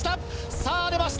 さぁ出ました！